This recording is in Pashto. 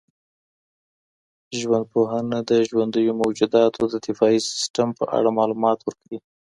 ژوندپوهنه د ژوندیو موجوداتو د دفاعي سیسټم په اړه معلومات ورکوي.